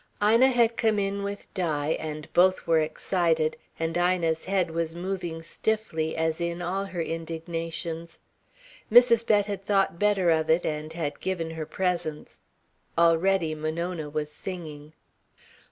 Ina had come in with Di, and both were excited, and Ina's head was moving stiffly, as in all her indignations. Mrs. Bett had thought better of it and had given her presence. Already Monona was singing.